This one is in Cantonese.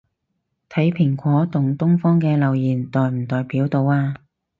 睇蘋果同東方啲留言代唔代表到吖